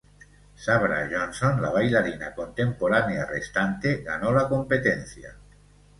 Sabra Johnson, la bailarina contemporánea restante, ganó la competencia.